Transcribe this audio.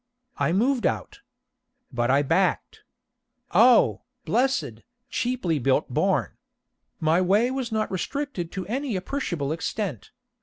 I moved out. But I backed. Oh, blessed, cheaply built barn. My way was not restricted to any appreciable extent.